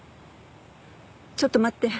ちょっと待って。